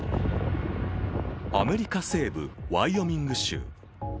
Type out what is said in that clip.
アメリカ西部・ワイオミング州。